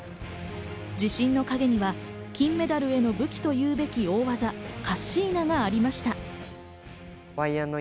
自信の陰には金メダルへの武器というべき大技カッシーナがありました。